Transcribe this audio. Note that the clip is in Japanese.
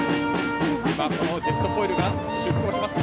このジェットフォイルが出港します。